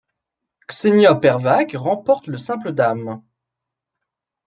Ksenia Pervak remporte le simple dames.